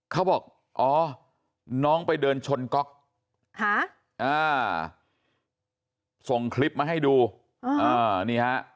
เขาบอกอ๋อน้องไปเดินชนก๊อกส่งคลิปมาให้ดูนี่ฮะ